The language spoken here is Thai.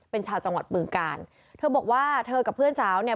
เป็นชาวจังหวัดบึงกาลเธอบอกว่าเธอกับเพื่อนสาวเนี่ย